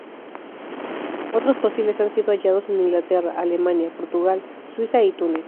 Otros fósiles han sido hallados en Inglaterra, Alemania, Portugal, Suiza y Túnez.